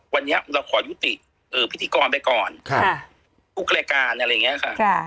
วันนี้เราขอยุติพิธีกรไปก่อนทุกรายการอะไรอย่างนี้ค่ะ